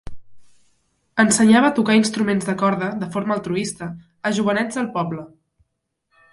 Ensenyava a tocar instruments de corda, de forma altruista, a jovenets del poble.